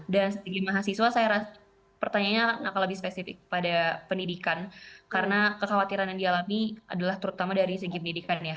dan sebagai mahasiswa saya rasa pertanyaannya akan lebih spesifik pada pendidikan karena kekhawatiran yang dialami adalah terutama dari segi pendidikan ya